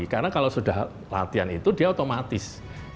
karena kalau sudah latihan itu dia otomatis